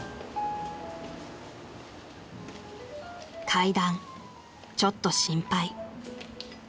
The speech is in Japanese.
［階段ちょっと心配］